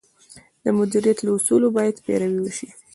د مدیریت له اصولو باید پیروي وشي.